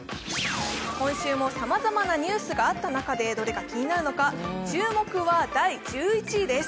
今週もさまざまなニュースがあった中でどれが気になるのか、注目は第１１位です。